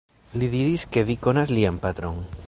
Li diris, ke vi konas lian patron.